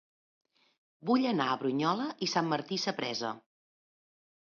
Vull anar a Brunyola i Sant Martí Sapresa